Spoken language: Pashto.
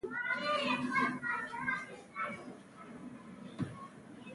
خان زمان وپوښتل، بل دې له چا سره ولیدل؟